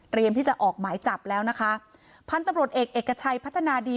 ที่จะออกหมายจับแล้วนะคะพันธุ์ตำรวจเอกเอกชัยพัฒนาดี